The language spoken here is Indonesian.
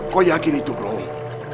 kau yakin itu bung